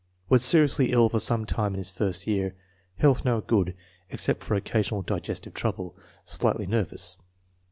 Was seriously ill for some time in his first year. Health now good, except for occasional digestive trouble. Slightly nervous.